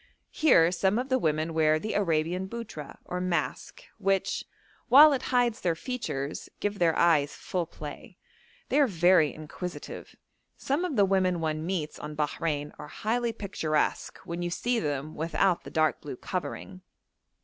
Here some of the women wear the Arabian buttra or mask, which, while it hides their features, gives their eyes full play. They are very inquisitive. Some of the women one meets on Bahrein are highly picturesque when you see them without the dark blue covering.